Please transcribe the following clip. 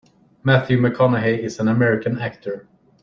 Matthew McConaughey is an American actor.